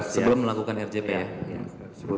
sebelum melakukan rgp